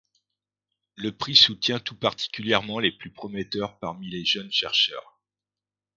Le prix soutient tout particulièrement les plus prometteurs parmi les jeunes chercheurs.